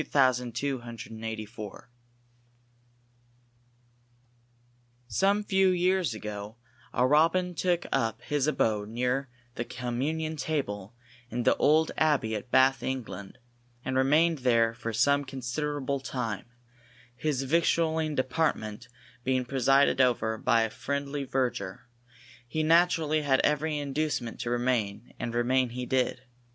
Some few years ago a robin took up his abode near the communion table in the old abbey at Bath, England, and remained there for some considerable time; his victualing department being presided over by a friendly verger, he naturally had every inducement to remain, and remain he did.